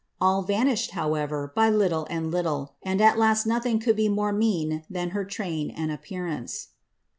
All vanished, however, by little and little, and at last nothing could be more mean than her train and appearance."